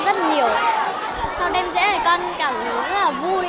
sau đêm diễn là con cảm thấy rất là vui con được biểu diễn cho rất là nhiều người